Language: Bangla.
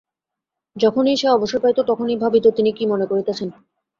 যখনই সে অবসর পাইত তখনই ভাবিত তিনি কী মনে করিতেছেন?